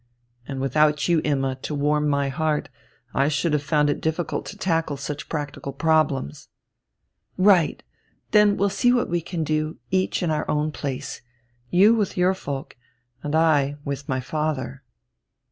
"And without you, Imma, to warm my heart, I should have found it difficult to tackle such practical problems." "Right; then we'll see what we can do, each in our own place. You with your folk and I with my father."